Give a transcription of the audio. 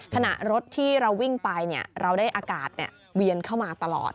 ขณะรถที่เราวิ่งไปเราได้อากาศเวียนเข้ามาตลอด